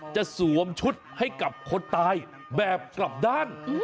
สวมชุดให้กับคนตายแบบกลับด้าน